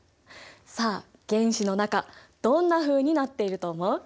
さあ原子の中どんなふうになっていると思う？